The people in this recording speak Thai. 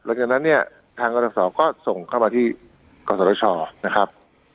หลังจากนั้นเนี่ยทางกองทุนทอปศก็ส่งเข้ามาที่กษัตริย์ชะวนะครับ